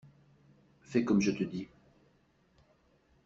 Fais comme je te dis.